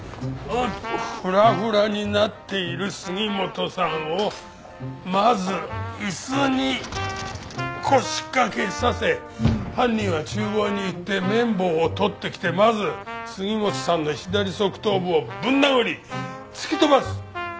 フラフラになっている杉本さんをまず椅子に腰掛けさせ犯人は厨房に行って麺棒を取ってきてまず杉本さんの左側頭部をぶん殴り突き飛ばす！